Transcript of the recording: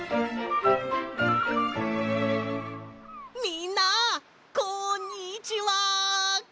みんなこんにちは！